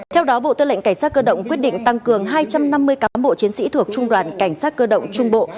theo đó bộ tư lệnh cảnh sát cơ động quyết định tăng cường hai trăm năm mươi cán bộ chiến sĩ thuộc trung đoàn cảnh sát cơ động trung bộ